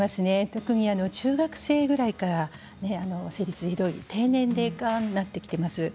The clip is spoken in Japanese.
特に中学生ぐらいから生理痛がひどい低年齢化になってきています。